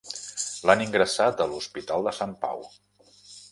L'han ingressat a l'hospital de Sant Pau.